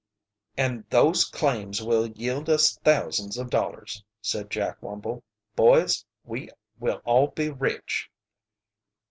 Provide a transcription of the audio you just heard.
"And those claims will yield us thousands of dollars!" said Jack Wumble. "Boys, we will all be rich."